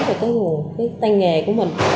và cái nguồn cái tay nghề của mình